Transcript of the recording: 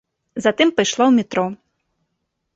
Затым пайшла ў метро.